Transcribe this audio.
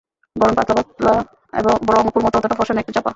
গড়ন পাতলা পাতলা, রং অপুর মতো অতটা ফরসা নয়, একটু চাপা।